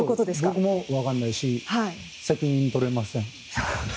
僕も分かんないし責任を取れません。